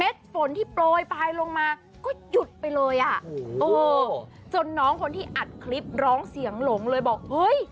ฝนที่โปรยปลายลงมาก็หยุดไปเลยอ่ะโอ้โหจนน้องคนที่อัดคลิปร้องเสียงหลงเลยบอกเฮ้ย